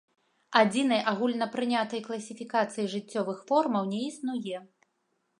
Адзінай агульнапрынятай класіфікацыі жыццёвых формаў не існуе.